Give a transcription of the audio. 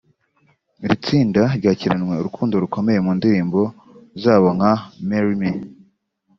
Iri tsinda ryakiranywe urukundo rukomeye mu ndirimbo zabo nka ‘Marry Me’